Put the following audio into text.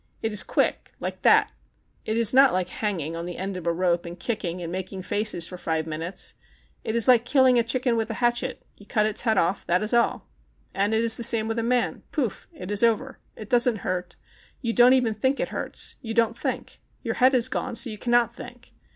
"It is quick ã like that. It is not like hanging on the end THE CHINAGO 173 ot a rope and kicking and making faces for five minutes. It is like killing a chicken with a hatchet. You cut its head off, that is all. And it is the same with a man. Pouf ! ã it is over. It doesn't hurt, ^'ou don't even think it hurts. You don't think. Your head is gone, so you cannot think.